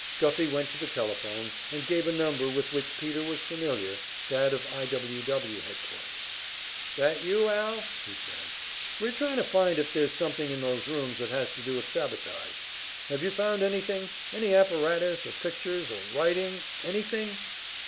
Guffey went to the telephone, and gave a number with which Peter was familiar that of I. W. W. headquarters. "That you, Al?" he said. "We're trying to find if there's something in those rooms that has to do with sabotage. Have you found anything any apparatus or pictures, or writing anything?"